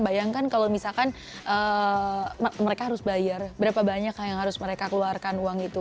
bayangkan kalau misalkan mereka harus bayar berapa banyak yang harus mereka keluarkan uang itu